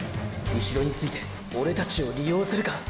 うしろについてオレたちを利用するか？